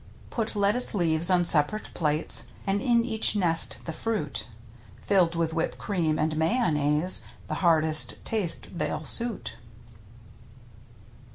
Put lettuce leaves on separate plates. And in each nest the fruit — Filled with whipped cream and mayon naise — The hardest taste they'll suit.